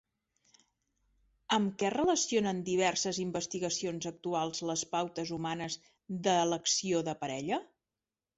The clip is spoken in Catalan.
Amb què relacionen diverses investigacions actuals les pautes humanes d'elecció de parella?